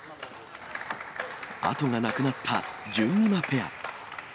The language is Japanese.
後がなくなった、じゅんみまペア。